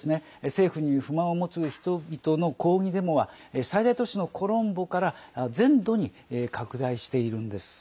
政府に不満を持つ人々の抗議デモは最大都市のコロンボから全土に拡大しているんです。